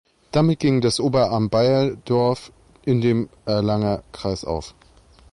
Damit ging das Oberamt Baiersdorf in dem "Erlanger Kreis" auf.